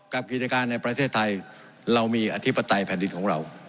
กิจการในประเทศไทยเรามีอธิปไตยแผ่นดินของเรา